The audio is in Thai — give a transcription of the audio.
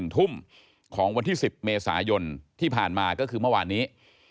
ทุ่มของวันที่๑๐เมษายนที่ผ่านมาก็คือเมื่อวานนี้